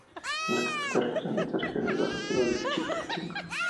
La capital regional de esta región es la ciudad de Chilpancingo.